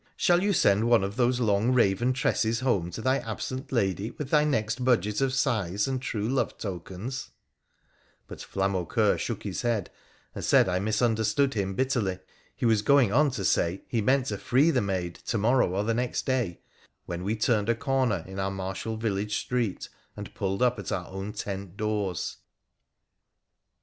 Shall you send one of those long raven tresses home to thy absent lady with thy next budget of sighs and true love tokens ?' But Flamaucoeur shook his head, and said I misunderstood him bitterly. He was going on to say he meant to free the maid ' to morrow or the next day,' when we turned a corner in our martial village street, and pulled up at our own tent doors.